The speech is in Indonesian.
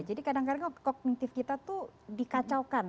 jadi kadang kadang kognitif kita tuh dikacaukan